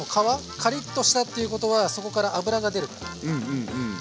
カリッとしたっていうことはそこから脂が出るから。